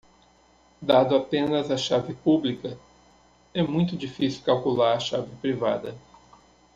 Dado apenas a chave pública?, é muito difícil calcular a chave privada.